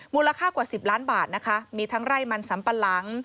มูลค่ากว่า๑๐ล้านบาทนะคะมีทั้งไร่มันสัมปะหลัง